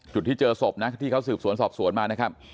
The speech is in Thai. จุดที่เจอศพนะที่เขาสืบสวนสอบสวนมานะครับ